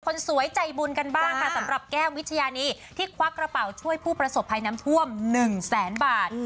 คนสวยใจบุญกันบ้างค่ะสำหรับแก้ววิชญานีที่ควักกระเป๋าช่วยผู้ประสบภัยน้ำท่วมหนึ่งแสนบาท